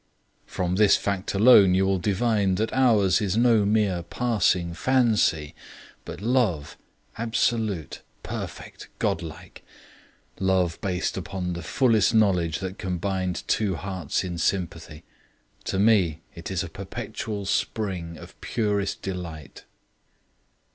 From this fact alone you will divine that ours is no mere passing fancy, but love, absolute, perfect, godlike; love based upon the fullest knowledge that can bind two hearts in sympathy. To me it is a perpetual spring of purest delight.